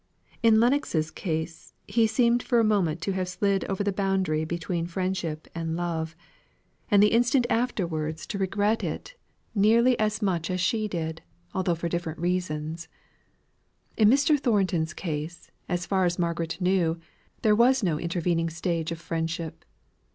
In Lennox's case, he seemed for a moment to have slid over the boundary between friendship and love; and the instant afterwards, to regret it nearly as much as she did, although for different reasons. In Mr. Thornton's case, as far as Margaret knew, there was no intervening stage of friendship.